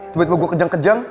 tiba tiba gue kejang kejang